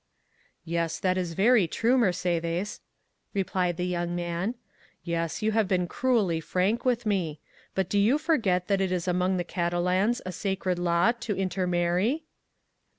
"Yes, that is very true, Mercédès," replied the young man, "Yes, you have been cruelly frank with me; but do you forget that it is among the Catalans a sacred law to intermarry?"